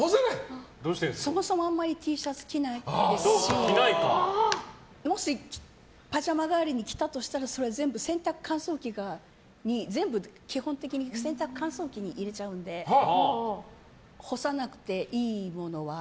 そもそもあんまりＴシャツ着ないですしもし、パジャマ代わりに着たとしたら全部基本的に洗濯乾燥機に入れちゃうので干さなくていいものは。